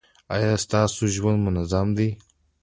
ایا ستاسو ژوند منظم دی؟